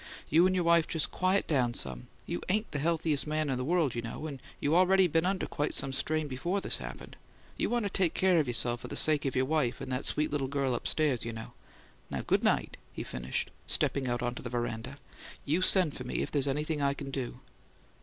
"You and your wife just quiet down some. You AIN'T the healthiest man in the world, you know, and you already been under quite some strain before this happened. You want to take care of yourself for the sake of your wife and that sweet little girl upstairs, you know. Now, good night," he finished, stepping out upon the veranda. "You send for me if there's anything I can do."